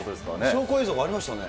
証拠映像がありましたね。